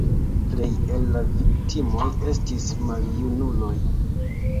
Plej el la viktimoj estis maljunuloj.